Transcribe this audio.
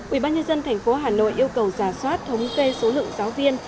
ủy ban nhân dân tp hcm yêu cầu giả soát thống kê số lượng giáo viên